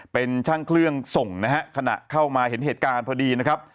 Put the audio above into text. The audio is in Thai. เป็นช่างเครื่องส่งนะฮะขณะเข้ามาเห็นเหตุการณ์พอดีนะครับ